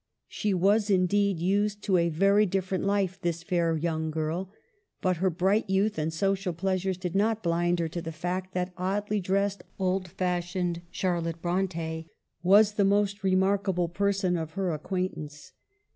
She was, indeed, used to a very different life, this fair young girl, but her bright youth and social pleasures did not blind her to the fact that oddly dressed, old fashioned Charlotte Bronte was the most remark able person of her acquaintance.